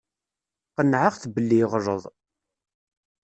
Qennɛeɣ-t belli yeɣleḍ.